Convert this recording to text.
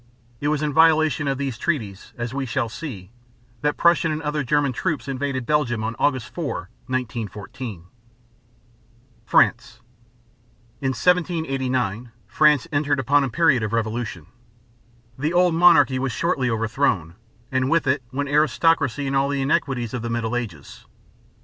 It was in violation of these treaties, as we shall see, that Prussian and other German troops invaded Belgium on August 4, 1914. FRANCE. In 1789 France entered upon a period of revolution. The old monarchy was shortly overthrown, and with it went aristocracy and all the inequalities of the Middle Ages.